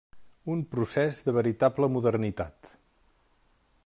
Un procés de veritable modernitat.